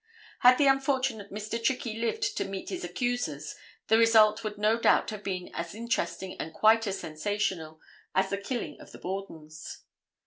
Had the unfortunate Mr. Trickey lived to meet his accusers the result would no doubt have been as interesting and quite as sensational as the killing of the Bordens.